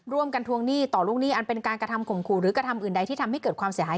ทวงหนี้ต่อลูกหนี้อันเป็นการกระทำข่มขู่หรือกระทำอื่นใดที่ทำให้เกิดความเสียหาย